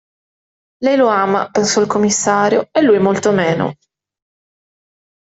Lei lo ama, pensò il commissario, e lui molto meno.